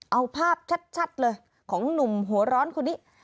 เอาภาพชัดเลยของหนุ่มหัวร้อนคนนี้